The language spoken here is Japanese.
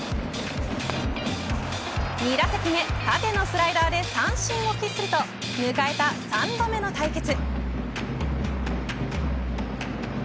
２打席目、縦のスライダーで三振を喫すると迎えた３度目の対決。